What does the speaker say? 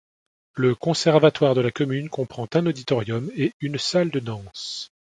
Le conservatoire de la commune comprend un auditorium et une salle de danse.